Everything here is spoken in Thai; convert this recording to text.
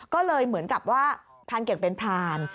ก็เลยเหมือนกับว่าพรานเก่งเป็นพราน